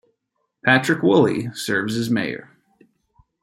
Patrick Wooley serves as mayor.